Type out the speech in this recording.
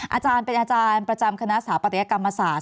อาจารย์เป็นอาจารย์ประจำคณะสถาปัตยกรรมศาสตร์